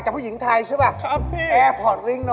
เฮ่ยหมอด